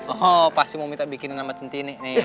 oh pasti mau minta bikin sama centini nih